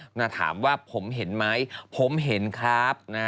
ถ้าถามว่าผมเห็นไหมผมเห็นครับ